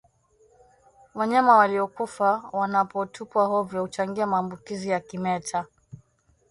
Wanyama waliokufa wanapotupwa hovyo huchangia maambukizi ya kimeta